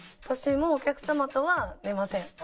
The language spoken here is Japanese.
私もお客様とは寝ません。